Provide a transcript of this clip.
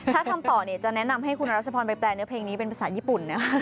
ถ้าทำต่อเนี่ยจะแนะนำให้คุณรัชพรไปแปลเนื้อเพลงนี้เป็นภาษาญี่ปุ่นนะ